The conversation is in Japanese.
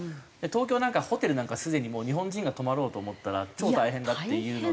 東京なんかはホテルなんかすでにもう日本人が泊まろうと思ったら超大変だっていうので。